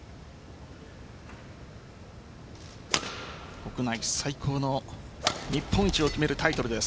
国内最高の日本一を決めるタイトルです。